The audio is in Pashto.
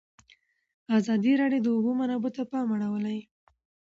ازادي راډیو د د اوبو منابع ته پام اړولی.